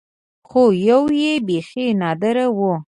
خو يوه يې بيخي نادره وه.